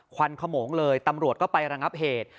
วันขโมงเลยตำรวจก็ไประงับเหตุ